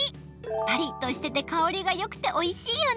パリッとしてて香りがよくておいしいよね。